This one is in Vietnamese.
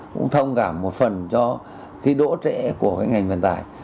cũng thông cảm một phần cho cái đỗ trễ của cái ngành vận tải